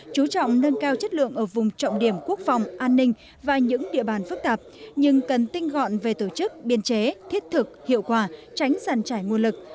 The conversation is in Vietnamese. chú trọng nâng cao chất lượng ở vùng trọng điểm quốc phòng an ninh và những địa bàn phức tạp nhưng cần tinh gọn về tổ chức biên chế thiết thực hiệu quả tránh giàn trải nguồn lực